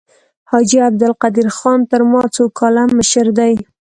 حاجي عبدالقدیر خان تر ما څو کاله مشر دی.